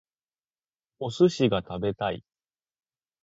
お寿司が食べたい